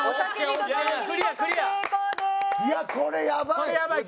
いやこれやばい！